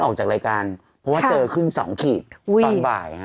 ออกจากรายการเพราะว่าเจอขึ้น๒ขีดตอนบ่าย